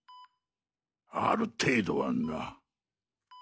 ある程度はな。